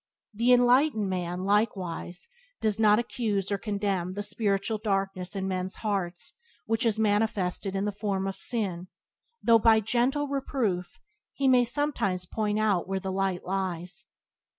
The enlightened man, likewise, does not accuse or condemn the spiritual darkness in men's hearts which is manifested in the form of sin, though by gentle reproof he may sometimes point out where the light lies.